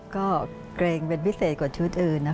ก็เกรงเป็นพิเศษกว่าชุดอื่นนะคะ